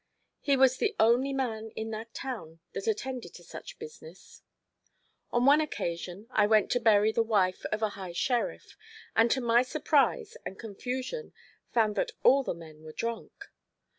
He was the only man in that town that attended to such business. On one occasion I went to bury the wife of a high sheriff, and to my surprise and confusion found that all the men were drunk.